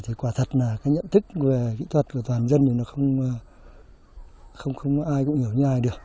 thì quả thật là cái nhận thức về kỹ thuật của toàn dân thì nó không có ai cũng hiểu như ai được